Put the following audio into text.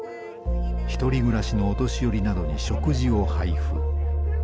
１人暮らしのお年寄りなどに食事を配布。